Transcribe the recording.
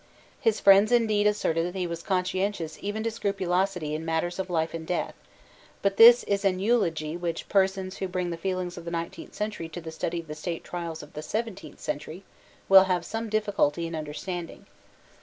His friends indeed asserted that he was conscientious even to scrupulosity in matters of life and death; but this is an eulogy which persons who bring the feelings of the nineteenth century to the study of the State Trials of the seventeenth century will have some difficulty in understanding.